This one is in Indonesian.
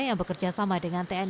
yang bekerja sama dengan kota surabaya